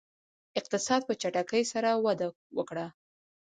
اقتصاد په چټکۍ سره وده وکړه.